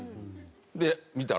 で見たら。